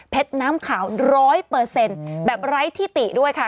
น้ำขาว๑๐๐แบบไร้ที่ติด้วยค่ะ